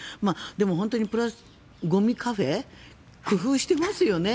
でも本当にゴミカフェ工夫してますよね。